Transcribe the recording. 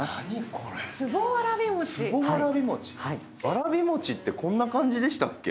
わらび餅ってこんな感じでしたっけ？